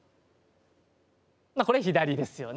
これ左ですよね。